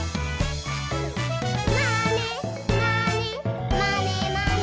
「まねまねまねまね」